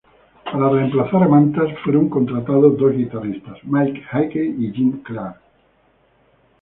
Para reemplazar a Mantas fueron contratados dos guitarristas: Mike Hickey y Jim Clare.